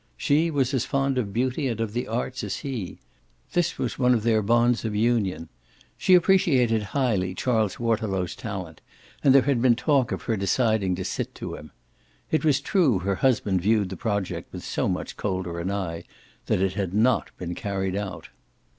She was as fond of beauty and of the arts as he this was one of their bonds of union. She appreciated highly Charles Waterlow's talent and there had been talk of her deciding to sit to him. It was true her husband viewed the project with so much colder an eye that it had not been carried out.